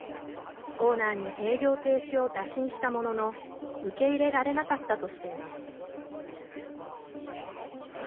オーナーに営業停止を打診したものの受け入れられなかったとしています。